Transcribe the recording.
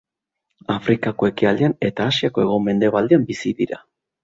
Afrikako ekialdean eta Asiako hego-mendebaldean bizi dira.